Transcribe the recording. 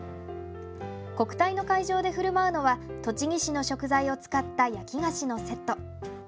国体の会場でふるまうのは栃木市の食材を使った焼き菓子のセット。